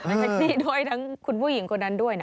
มีใจถึงทั้งคุณผู้หญิงคนนั้นด้วยนะ